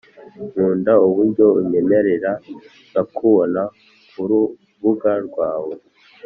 nkunda uburyo unyemerera nkakubona kurubuga rwawe